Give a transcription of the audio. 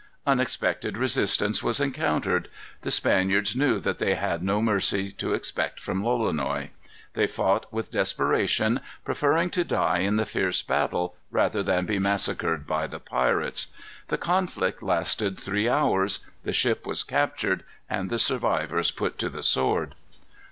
Unexpected resistance was encountered. The Spaniards knew that they had no mercy to expect from Lolonois. They fought with desperation, preferring to die in the fierce battle, rather than be massacred by the pirates. The conflict lasted three hours. The ship was captured, and the survivors put to the sword.